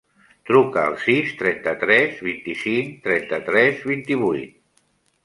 Truca al sis, trenta-tres, vint-i-cinc, trenta-tres, vint-i-vuit.